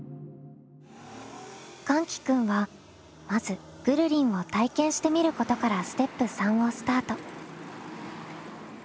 かんき君はまず「ぐるりん」を体験してみることからステップ３をスタート。